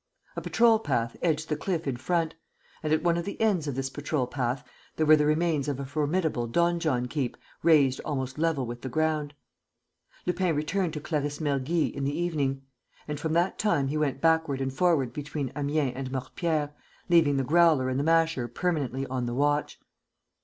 A patrol path edged the cliff in front; and, at one of the ends of this patrol path, there were the remains of a formidable donjon keep razed almost level with the ground. Lupin returned to Clarisse Mergy in the evening. And from that time he went backward and forward between Amiens and Mortepierre, leaving the Growler and the Masher permanently on the watch.